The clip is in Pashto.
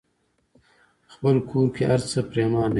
خپل کور کې هرڅه پريمانه وي.